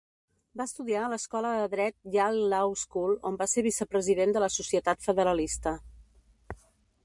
Va estudiar a l'escola de dret Yale Law School, on va ser vicepresident de la societat federalista.